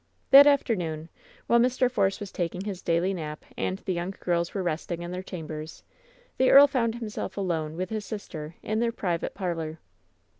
That afternoon, while Mr. Force was taking his daily nap and the young girls were resting in their chambers, the earl found himself alone with his sister in their pri vate parlor.